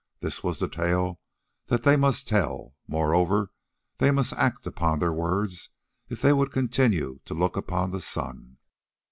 —This was the tale that they must tell; moreover, they must act up to their words if they would continue to look upon the sun.